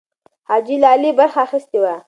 حاجي لالی برخه اخیستې وه.